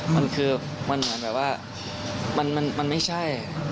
มันคือมันแบบว่ามันไม่ใช่